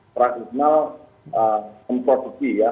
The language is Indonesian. tradisional memproduksi ya